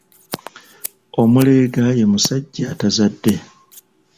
Omulega ye musajja atazadde.